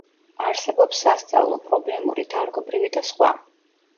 არსებობს სასწავლო, პრობლემური, დარგობრივი და სხვა.